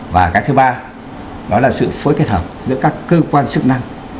và cái thứ ba đó là sự phối kết hợp giữa các cơ quan chức năng